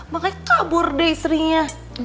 makanya kabur deh istrinya